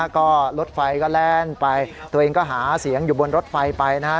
ก็รถไฟก็แล่นไปตัวเองก็หาเสียงอยู่บนรถไฟไปนะฮะ